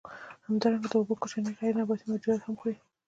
همدارنګه د اوبو کوچني غیر نباتي موجودات هم خوري.